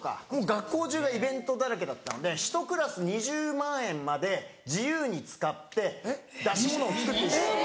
学校中がイベントだらけだったので１クラス２０万円まで自由に使って出し物を作っていいんです。